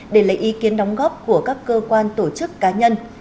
để lấy ý kiến đóng góp của các cơ quan tổ chức cá nhân